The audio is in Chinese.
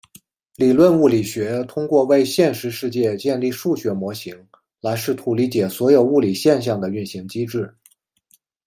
理论物理学通过为现实世界建立数学模型来试图理解所有物理现象的运行机制。